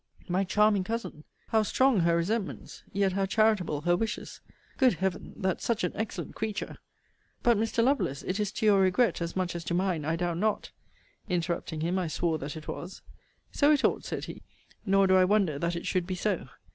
My charming cousin! How strong her resentments! Yet how charitable her wishes! Good Heaven! that such an excellent creature But, Mr. Lovelace, it is to your regret, as much as to mine, I doubt not Interrupting him, I swore that it was. So it ought, said he. Nor do I wonder that it should be so.